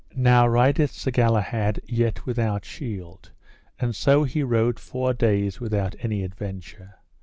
Now rideth Sir Galahad yet without shield, and so he rode four days without any adventure.